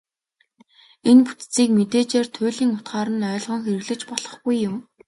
Энэ бүтцийг мэдээжээр туйлын утгаар нь ойлгон хэрэглэж болохгүй юм.